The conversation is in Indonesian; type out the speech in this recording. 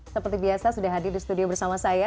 seperti biasa sudah hadir di studio bersama saya